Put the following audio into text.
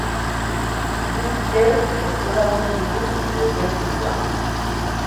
Guk geuk esplotatzen dugu geure burua.